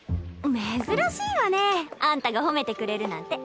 珍しいわねあんたが褒めてくれるなんて。